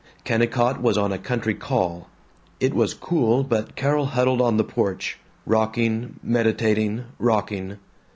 Kennicott was on a country call. It was cool but Carol huddled on the porch, rocking, meditating, rocking.